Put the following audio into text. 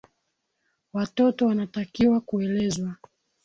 Watoto wanatakiwa kuelezwa.